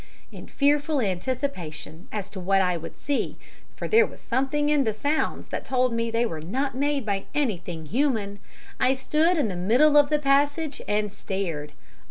In fearful anticipation as to what I should see for there was something in the sounds that told me they were not made by anything human I stood in the middle of the passage and stared.